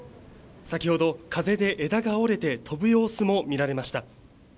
先ほど、風で枝が折れて、飛ぶ様子も見られました。